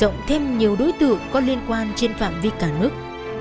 động thêm nhiều đối tượng có liên quan trên phạm vi cả nước